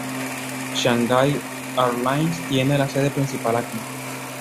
Shanghai Airlines tiene la sede principal aquí.